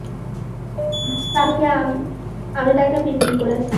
আমি তাকে বিক্রি করেছি।